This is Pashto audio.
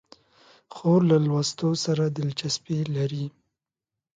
خور له لوستو سره دلچسپي لري.